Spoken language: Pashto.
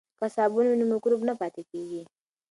که صابون وي نو مکروب نه پاتې کیږي.